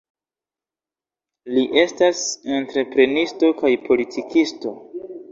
Li estas entreprenisto kaj politikisto.